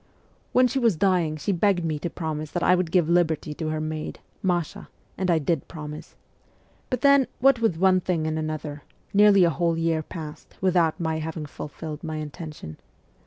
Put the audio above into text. When she was dying she begged me to promise that I would give liberty to her maid, Masha, and I did promise ; but then what with one thing and another, nearly a whole year passed without my having fulfilled my intention.